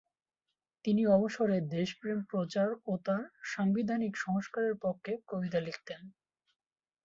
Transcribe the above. তিনি অবসরে দেশপ্রেম প্রচার ও তার সাংবিধানিক সংস্কারের পক্ষে কবিতা লিখতেন।